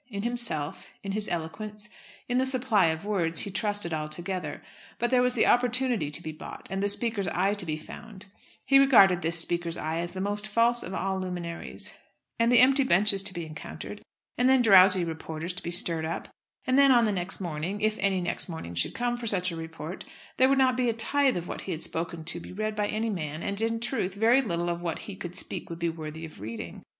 In himself, in his eloquence, in the supply of words, he trusted altogether; but there was the opportunity to be bought, and the Speaker's eye to be found, he regarded this Speaker's eye as the most false of all luminaries, and the empty benches to be encountered, and then drowsy reporters to be stirred up; and then on the next morning, if any next morning should come for such a report, there would not be a tithe of what he had spoken to be read by any man, and, in truth, very little of what he could speak would be worthy of reading.